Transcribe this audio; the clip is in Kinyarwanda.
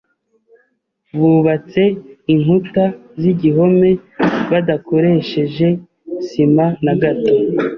Bubatse inkuta z'igihome badakoresheje sima na gato.